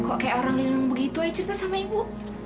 kok kayak orang lindung begitu aja cerita sama ibu